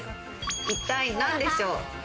一体何でしょう？